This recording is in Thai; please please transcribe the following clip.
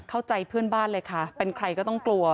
เข้าใจเพื่อนบ้านเลยค่ะเป็นใครก็ต้องกลัว